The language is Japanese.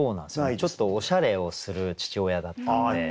ちょっとおしゃれをする父親だったんで。